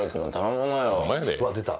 うわ。出た。